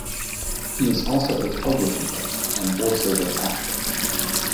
He is also a television host and voice-over actor.